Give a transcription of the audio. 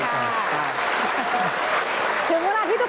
ขอบคุณครับ